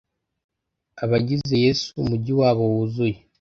Abagize Yesu umujyi wabo wuzuye